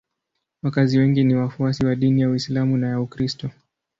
Wakazi wengi ni wafuasi wa dini ya Uislamu na ya Ukristo.